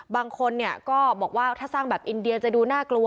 บางคนเนี่ยก็บอกว่าถ้าสร้างแบบอินเดียจะดูน่ากลัว